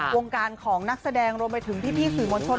วงการของนักแสดงรวมไปถึงพี่สื่อมวลชน